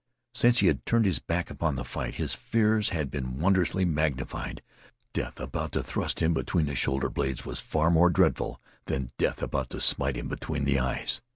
Since he had turned his back upon the fight his fears had been wondrously magnified. Death about to thrust him between the shoulder blades was far more dreadful than death about to smite him between the eyes.